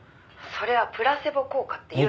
「それはプラセボ効果っていうの」